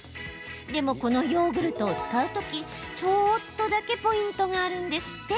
でも、このヨーグルトを使う時ちょっとだけポイントがあるんですって。